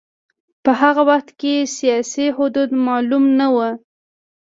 په هغه وخت کې سیاسي حدود معلوم نه و.